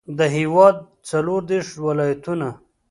د هېواد څلوردېرش ولایتونه.